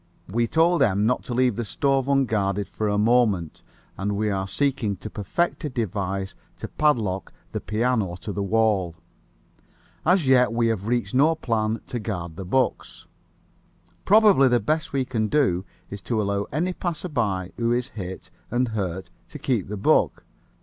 We told M. not to leave the stove unguarded for a moment, and we are seeking to perfect a device to padlock the piano to the wall. As yet we have reached no plan to guard the books. Probably the best we can do is to allow any passerby who is hit and hurt to keep the book.